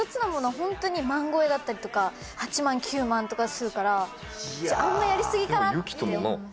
ホントに万超えだったりとか８万９万とかするからあんまやりすぎかなって思います